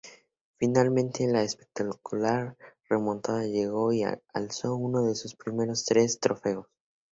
Finalmente la espectacular remontada llegó y alzó uno de sus primeros tres trofeos.